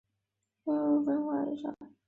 端砚的制作技艺是国家级非物质文化遗产。